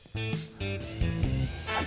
はい。